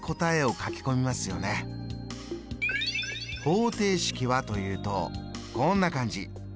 方程式はというとこんな感じ。